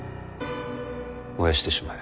燃やしてしまえ。